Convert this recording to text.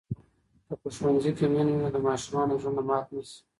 که په ښوونځي کې مینه وي، نو د ماشومانو زړونه مات نه سي.